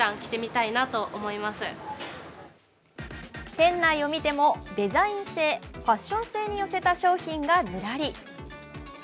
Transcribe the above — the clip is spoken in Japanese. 店内を見てもデザイン性、ファッション性に寄せた商品がズラリ。